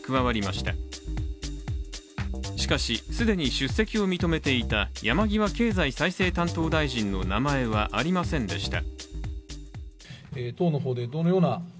しかし既に出席を認めていた山際経済再生担当大臣の名前はありませんでした。